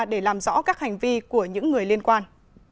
để làm rõ các hành vi của những người liên quan